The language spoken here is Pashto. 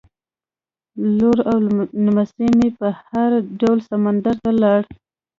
لور او نمسۍ مې په هر ډول سمندر ته لاړې.